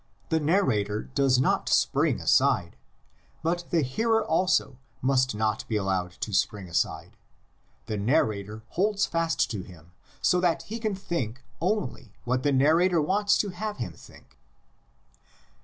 The nar rator does not spring aside; but the hearer also must not be allowed to spring aside: the narrator holds fast to him so that he can think only what the narrator wants to have him think.